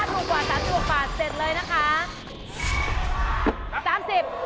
ถูกกว่า๓๖บาทเสร็จเลยนะคะ